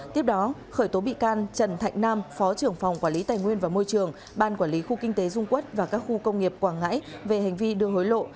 tiếp đó khởi tố bị can trần thạnh nam phó trưởng phòng quản lý tài nguyên và môi trường ban quản lý khu kinh tế dung quốc và các khu công nghiệp quảng ngãi về hành vi đưa hối lộ